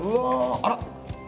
あら！